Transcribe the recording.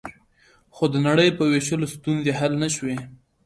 خو د نړۍ په وېشلو ستونزې حل نه شوې